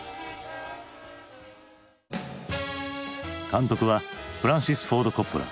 監督はフランシス・フォード・コッポラ。